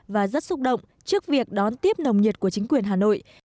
và rất xúc động trước việc đón tiếp nồng nhiệt của chính quyền hà nội